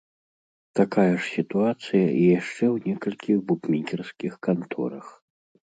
Такая ж сітуацыя і яшчэ ў некалькіх букмекерскіх канторах.